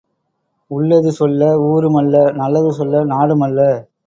உள்ளது சொல்ல ஊரும் அல்ல நல்லது சொல்ல நாடும் அல்ல.